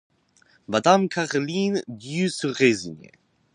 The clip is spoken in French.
Madame Caroline dut se résigner.